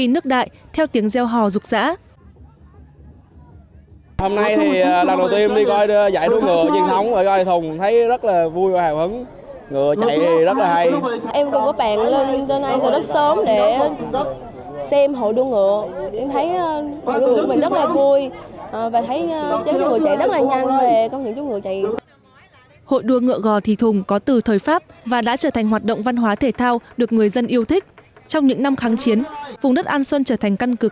nên hội đua ngựa gò thị thùng có từ thời pháp và đã trở thành hoạt động văn hóa thể thao được người dân yêu thích